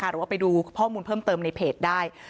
หรือว่าไปดูข้อมูลเพิ่มเติมในเพจได้